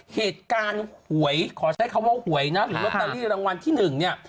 เหตุการณ์หวยขอใช้คำว่าหวยนะหรือรางวัลที่หนึ่งนี่